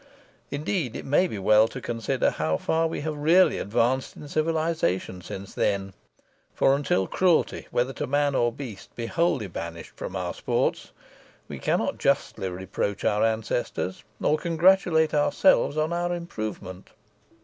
Indeed, it may be well to consider how far we have really advanced in civilisation since then; for until cruelty, whether to man or beast, be wholly banished from our sports, we cannot justly reproach our ancestors, or congratulate ourselves on our improvement.